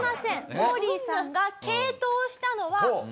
モーリーさんが傾倒したのは魔術。